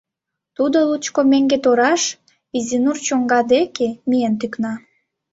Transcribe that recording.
Тудо лучко меҥге тораш, Изинур чоҥга деке, миен тӱкна.